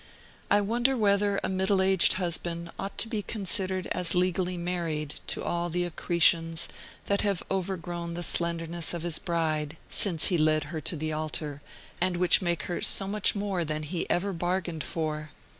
I wonder whether a middle aged husband ought to be considered as legally married to all the accretions that have overgrown the slenderness of his bride, since he led her to the altar, and which make her so much more than he ever bargained for!